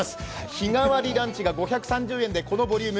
日替わりランチが５３０円でこのボリューム。